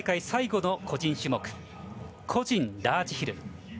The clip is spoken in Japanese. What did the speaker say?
最後の個人種目個人ラージヒル。